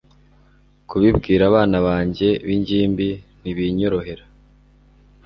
kubibwira abana banjye b'ingimbi ntibinyorohera